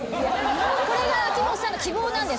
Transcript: これが秋元さんの希望なんです。